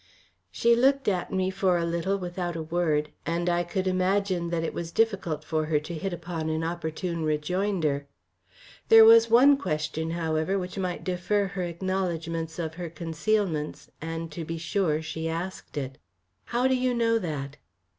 She looked at me for a little without a word, and I could imagine that it was difficult for her to hit upon an opportune rejoinder. There was one question, however, which might defer her acknowledgments of her concealments, and, to be sure, she asked it: "How do you know that?"